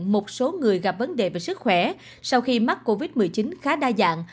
một số người gặp vấn đề về sức khỏe sau khi mắc covid một mươi chín khá đa dạng